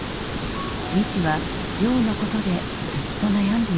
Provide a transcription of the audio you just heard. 未知は亮のことでずっと悩んでいました。